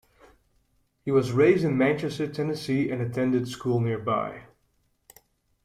He was raised in Manchester, Tennessee and attended school nearby.